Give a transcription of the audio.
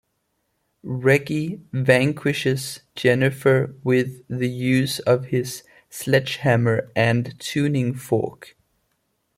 Reggie vanquishes Jennifer with the use of his sledgehammer and tuning fork.